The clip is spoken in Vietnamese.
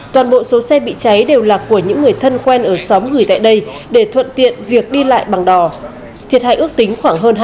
toàn bộ số xe bị cháy đều là của những người thân quen ở xóm người tại đây để thuận tiện việc đi lại bằng đò thiệt hại ước tính khoảng hơn hai trăm linh triệu đồng